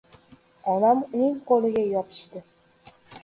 onam uning qo‘liga yopishdi.